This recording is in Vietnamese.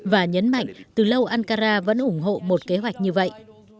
và nhấn mạnh từ lâu ankara vẫn ủng hộ một kế hoạch như vậy